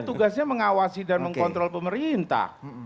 jadi di dalam diskusi kita mengawasi dan mengkontrol pemerintah